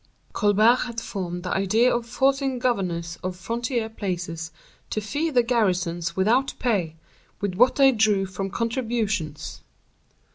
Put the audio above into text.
Colbert had formed the idea of forcing governors of frontier places to feed the garrisons without pay, with what they drew from contributions.